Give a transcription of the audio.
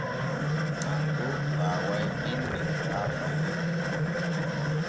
Tanko waaway binni faa e fahin.